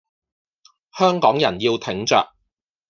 香港人要挺著